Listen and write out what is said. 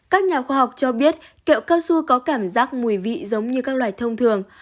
các nhà khoa học cho biết kẹo cao su có cảm giác mùi vị giống như các loài thông thường